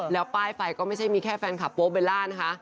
แล้วป้ายไฟก็ไม่ใช่มีแค่แฟนคลับโป๊เบลล่านะคะ